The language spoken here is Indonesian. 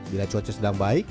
bila cuacanya sedang baik